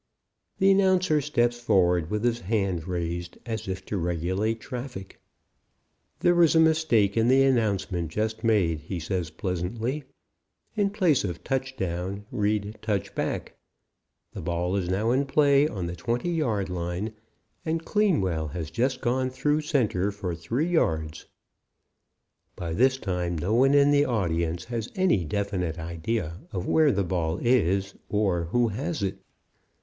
The announcer steps forward with his hand raised as if to regulate traffic. "There was a mistake in the announcement just made," he says pleasantly. "In place of 'touchdown' read 'touchback.' The ball is now in play on the 20 yard line, and Kleenwell has just gone through center for three yards." By this time no one in the audience has any definite idea of where the ball is or who has it.